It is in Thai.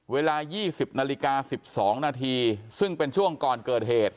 เวลา๒๐นาฬิกา๑๒นาทีซึ่งเป็นช่วงก่อนเกิดเหตุ